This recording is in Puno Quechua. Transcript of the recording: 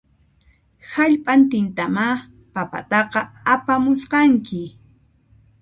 Hallp'antintamá papataqa apamusqanki